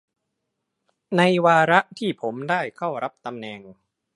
ในวาระที่ผมได้เข้ารับตำแหน่ง